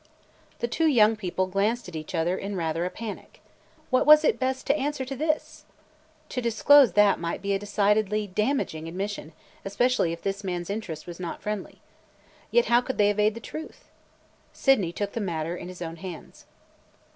The two young people glanced at each other in rather a panic. What was it best to answer to this? To disclose that might be a decidedly damaging admission, especially if this man's interest was not friendly. Yet how could they evade the truth? Sydney took the matter in his own hands.